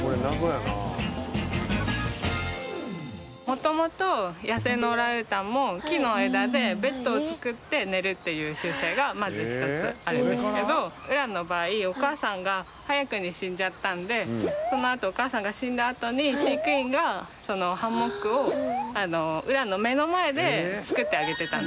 元々野生のオランウータンも木の枝でベッドを作って寝るっていう習性がまず１つあるんですけどウランの場合お母さんが早くに死んじゃったのでそのあとお母さんが死んだあとに飼育員がハンモックをウランの目の前で作ってあげてたんですよ布で。